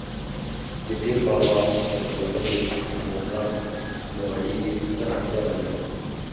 د پیر بابا په دروازه کې ملنګان لوغړېږي، څه اړتیا به لري.